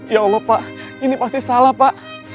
ya allah pak ini pasti salah pak